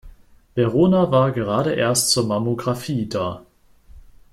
Verona war gerade erst zur Mammographie da.